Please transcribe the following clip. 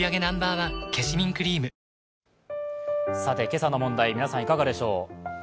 今朝の問題、皆さん、いかがでしょう。